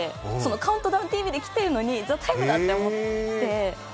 「ＣＤＴＶ」で来てるのに「ＴＨＥＴＩＭＥ，」だと思って。